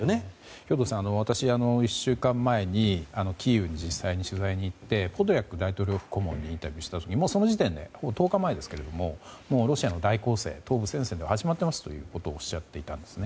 兵頭さん、私は１週間前にキーウに実際に取材に行ってポドリャク大統領顧問にインタビューをしてその時点で１０日前ですがロシアの大攻勢、東部戦線では始まっていますということをおっしゃっていたんですね。